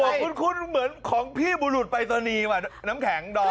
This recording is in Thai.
หมวกคุ้นเหมือนของพี่บุรุษไปรษณีย์ว่ะน้ำแข็งดอม